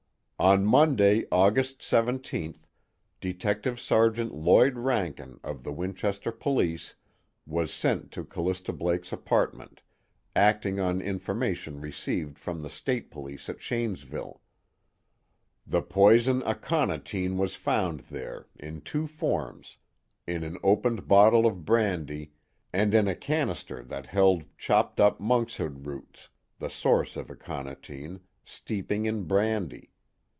"On Monday, August 17th, Detective Sergeant Lloyd Rankin of the Winchester Police was sent to Callista Blake's apartment, acting on information received from the State Police at Shanesville. The poison aconitine was found there, in two forms in an opened bottle of brandy, and in a canister that held chopped up monkshood roots, the source of aconitine, steeping in brandy.